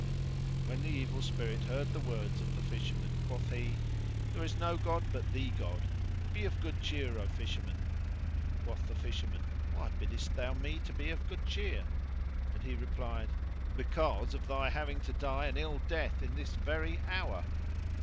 Now when the Evil Spirit heard the words of the Fisher man, quoth he; "There is no god but the God: be of good cheer, O Fisherman!" Quoth the Fisherman, "Why biddest thou me to be of good cheer?" and he replied, "Because of thy having to die an ill death in this very hour."